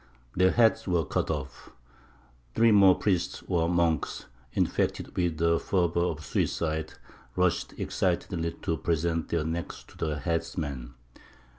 Their heads were cut off. Three more priests or monks, infected with the fever of suicide, rushed excitedly to present their necks to the headsman.